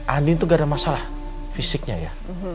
andi itu gak ada masalah fisiknya ya